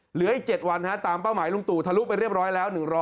เหลืออีก๗วันตามเป้าหมายลุงตู่ทะลุไปเรียบร้อยแล้ว